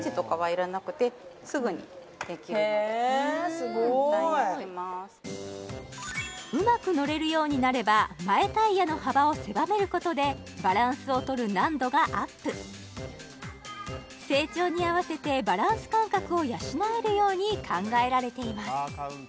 すごーいうまく乗れるようになれば前タイヤの幅を狭めることでバランスをとる難度がアップ成長に合わせてバランス感覚を養えるように考えられています